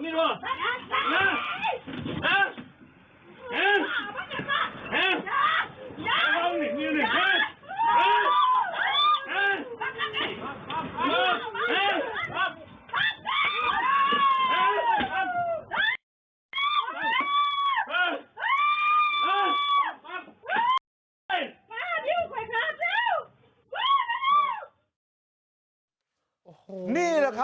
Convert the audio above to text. นิ้วเกือบขาดครับ